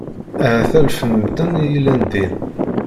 Ahat alef n medden i yellan din.